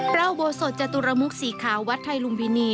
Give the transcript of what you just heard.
อุโบสถจตุรมุกสีขาววัดไทยลุมพินี